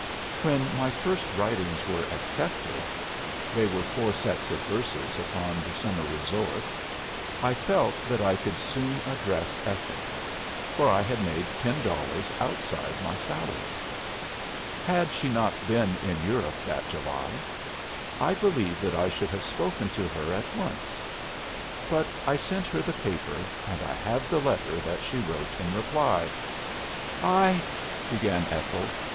When my first writings were accepted (they were four sets of verses upon the Summer Resort) I felt that I could soon address Ethel; for I had made ten dollars outside my salary. Had she not been in Europe that July, I believe that I should have spoken to her at once. But I sent her the paper; and I have the letter that she wrote in reply." "I" began Ethel.